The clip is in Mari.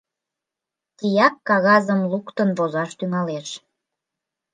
Тияк кагазым луктын возаш тӱҥалеш.